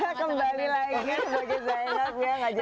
kembali lagi sebagai jenap ya